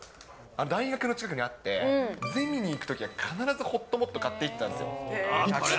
大学の近くにあって、ゼミに行くときには、必ずほっともっと買っていったんですよ。